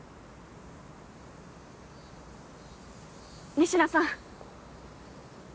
仁科さん。